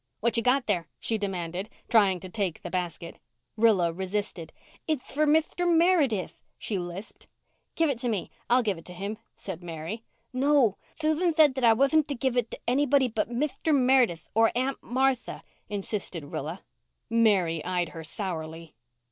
"What you got there?" she demanded, trying to take the basket. Rilla resisted. "It'th for Mithter Meredith," she lisped. "Give it to me. I'll give it to him," said Mary. "No. Thuthan thaid that I wathn't to give it to anybody but Mithter Mer'dith or Aunt Martha," insisted Rilla. Mary eyed her sourly.